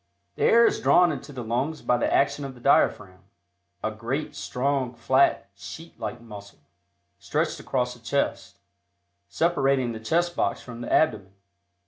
The air is drawn into the lungs by the action of the diaphragm, a great, strong, flat, sheet like muscle, stretched across the chest, separating the chest box from the abdomen.